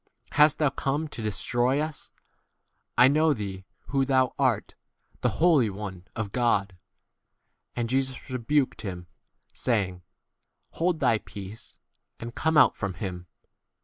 hast thou come to destroy us ? I know thee who thou art, 35 the Holy [One] of God. And Jesus rebuked him, saying, Hold thy peace, and come out from k him.